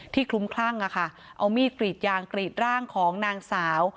ที่คลุ้มคลั่งนะคะเอามี่กฤตยางกฤตร่างของนางสาว